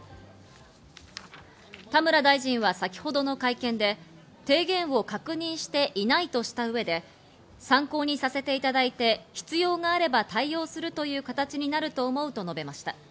田村大臣は先ほどの会見で、提言を確認していないとした上で、参考にさせていただいて必要があれば対応するという形になると思うと述べました。